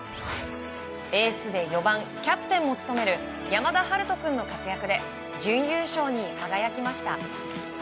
エースで４番キャプテンも務める山田陽翔君の活躍で準優勝に輝きました。